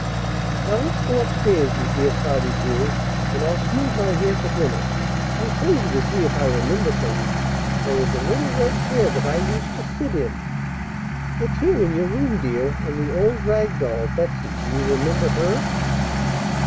"Now let's go up stairs, you dear Cloudy Jewel, and I'll smooth my hair for dinner. I'm crazy to see if I remember things. There was a little red chair that I used to sit in " "It's here, in your room, dear, and the old rag doll, Betsey; do you remember her?"